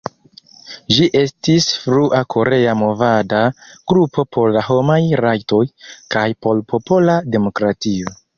Ĝi estis frua korea movada grupo por la homaj rajtoj, kaj por popola demokratio.